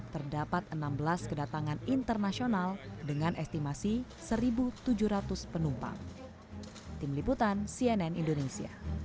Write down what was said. terdapat enam belas kedatangan internasional dengan estimasi satu tujuh ratus penumpang